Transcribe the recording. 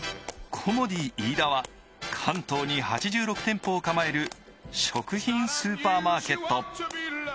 コモディイイダは関東に８６店舗を構える食品スーパーマーケット。